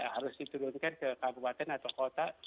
harus diturunkan ke kabupaten atau kota